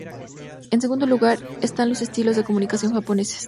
En segundo lugar, están los estilos de comunicación japoneses.